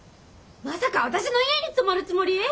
まさか私の家に泊まるつもり！？